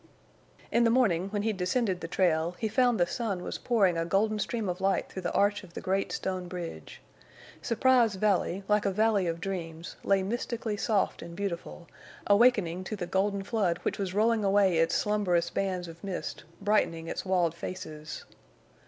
In the morning, when he descended the trail, he found the sun was pouring a golden stream of light through the arch of the great stone bridge. Surprise Valley, like a valley of dreams, lay mystically soft and beautiful, awakening to the golden flood which was rolling away its slumberous bands of mist, brightening its walled faces.